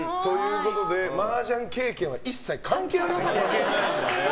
マージャン経験は一切関係ありません。